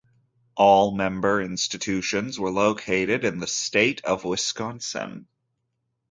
All member institutions were located in the State of Wisconsin.